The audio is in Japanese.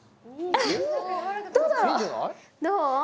どうだろう？どう？